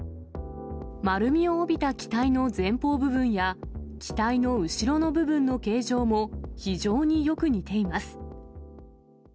丸みを帯びた機体の前方部分や、機体の後ろの部分の形状も、非常によく似ています。